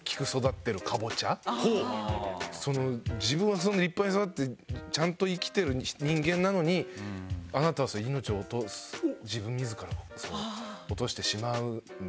自分は立派に育ってちゃんと生きてる人間なのにあなたは命を落とす自分自らの落としてしまうんですか？